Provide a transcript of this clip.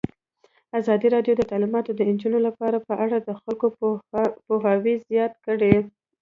ازادي راډیو د تعلیمات د نجونو لپاره په اړه د خلکو پوهاوی زیات کړی.